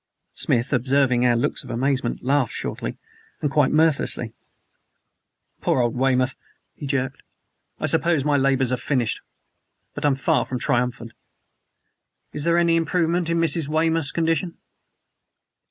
Smith, observing our looks of amazement, laughed shortly, and quite mirthlessly. "Poor old Weymouth!" he jerked. "I suppose my labors are finished; but I am far from triumphant. Is there any improvement in Mrs. Weymouth's condition?"